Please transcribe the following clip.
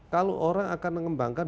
kalau orang akan mengembangkan